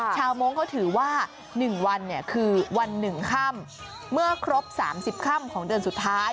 ชาวโม้งเขาถือว่าหนึ่งวันเนี่ยคือวันหนึ่งค่ำเมื่อครบสามสิบค่ำของเดือนสุดท้าย